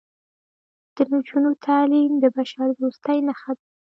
د نجونو تعلیم د بشردوستۍ نښه ده.